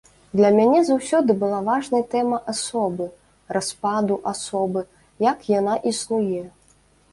Для мяне заўсёды была важнай тэма асобы, распаду асобы, як яна існуе.